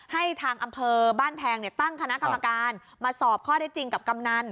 ให้ทางอำเภอบ้านแพงตั้งคณะกรรมการมาสอบข้อได้จริงกับกำนัน